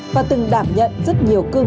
và từng đảm nhận rất nhiều cơ hội